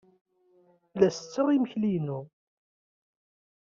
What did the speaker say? La setteɣ imekli-inu.